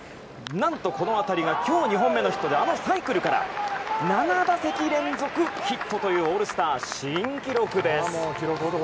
何とこの当たりが今日２本目のヒットで７打席連続ヒットというオールスター新記録です！